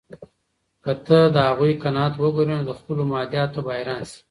که ته د هغوی قناعت وګورې، نو خپلو مادیاتو ته به حیران شې.